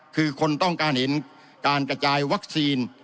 คือคนต้องการเห็นการกระจายวัคซีน